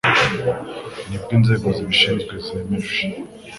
nibwo inzego zibishinzwe zemeje